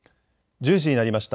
１０時になりました。